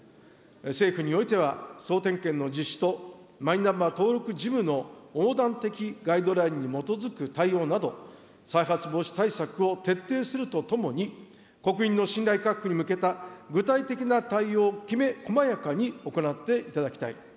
政府においては、総点検の実施と、マイナンバー登録事務の横断的ガイドラインに基づく対応など、再発防止対策を徹底するとともに、国民の信頼回復に向けた具体的な対応をきめ細やかに行っていただきたい。